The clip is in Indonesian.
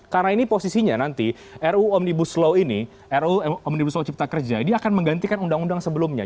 karena ini posisinya nanti ruu omnibus law ini ruu omnibus law cipta kerja ini akan menggantikan undang undang sebelumnya